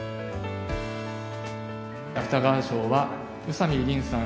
・芥川賞は宇佐見りんさん